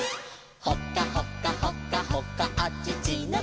「ほかほかほかほかあちちのチー」